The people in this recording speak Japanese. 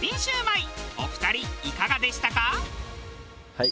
はい。